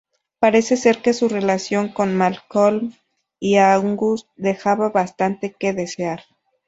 Parece ser que su relación con Malcolm y Angus dejaba bastante que desear.